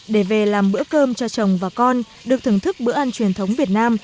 để về làm bữa cơm cho chồng và con được thưởng thức bữa ăn truyền thống việt nam